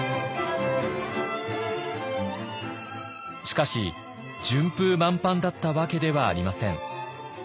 しかし順風満帆だったわけではありません。